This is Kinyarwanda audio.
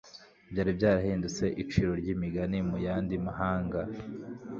byari byarahindutse iciro ry’imigani mu yandi mahanga